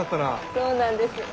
そうなんです。